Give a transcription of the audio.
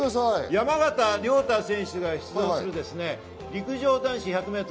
山縣亮太選手が出場する陸上男子１００ｍ。